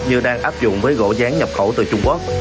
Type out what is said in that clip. như đang áp dụng với gỗ rán nhập khẩu từ trung quốc